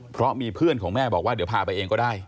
เพราะมีเพื่อนของแม่บอกว่าเดี๋ยวพาไปเองก็ได้